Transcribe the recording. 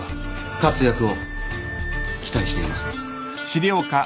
活躍を期待しています。